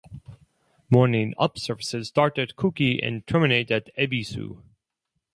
Morning "Up" services start at Kuki and terminate at Ebisu.